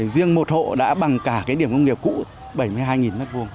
riêng một hộ đã bằng cả cái điểm công nghiệp cũ bảy mươi hai m hai